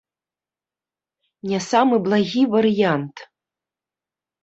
Не самы благі варыянт.